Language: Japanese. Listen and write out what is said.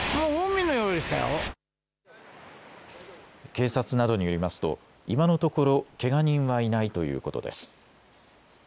警察などによりますと今のところけが人はいないということです。